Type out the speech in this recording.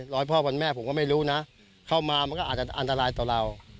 ร้อยพ่อวันแม่ผมก็ไม่รู้นะเข้ามามันก็อาจจะอันตรายต่อเรา